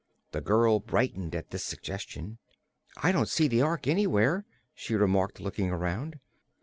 The little girl brightened at this suggestion. "I don't see the Ork anywhere," she remarked, looking around.